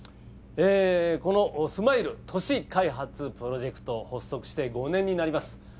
ええこのスマイル都市開発プロジェクトを発足して５年になります。